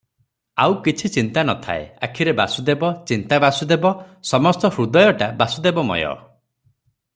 ଆଉ କିଛି ଜ୍ଞାନ ନଥାଏ – ଆଖିରେ ବାସୁଦେବ, ଚିନ୍ତା ବାସୁଦେବ, ସମସ୍ତ ହୃଦୟଟା ବାସୁଦେବମୟ ।